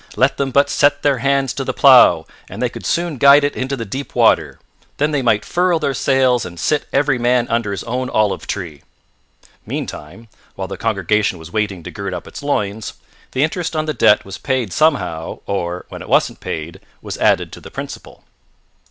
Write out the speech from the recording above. Let them but set their hands to the plough and they could soon guide it into the deep water. Then they might furl their sails and sit every man under his own olive tree. Meantime, while the congregation was waiting to gird up its loins, the interest on the debt was paid somehow, or, when it wasn't paid, was added to the principal.